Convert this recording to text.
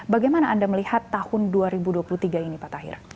bagaimana anda melihat tahun dua ribu dua puluh tiga ini pak tahir